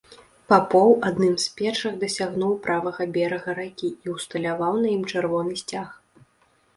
Папоў адным з першых дасягнуў правага берага ракі і ўсталяваў на ім чырвоны сцяг.